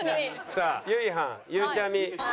さあゆいはんゆうちゃみ２うぬぼれ。